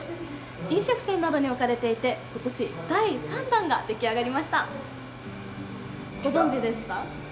飲食店などに置かれていて今年、第３弾が出来上がりました。